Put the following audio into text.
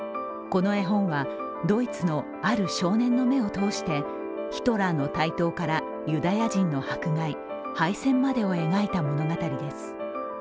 この絵本は、ドイツのある少年の目を通してヒトラーの台頭からユダヤ人の迫害、敗戦までを描いた物語です。